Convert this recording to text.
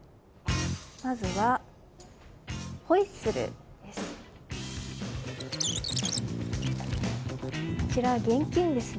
まずはホイッスルです。